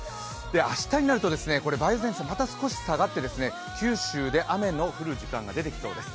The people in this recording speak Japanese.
明日になると梅雨前線また少し下がって九州で雨の降る時間が出てきそうです。